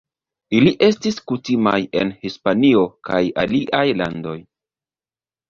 Ili estis kutimaj en Hispanio kaj aliaj landoj.